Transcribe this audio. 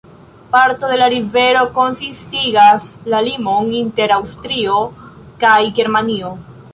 Parto de la rivero konsistigas la limon inter Aŭstrio kaj Germanio.